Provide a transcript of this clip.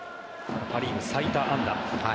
パ・リーグ最多安打。